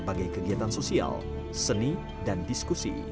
sebagai kegiatan sosial seni dan diskusi